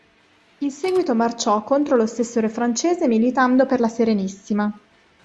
In seguito marciò contro lo stesso re francese militando per la Serenissima.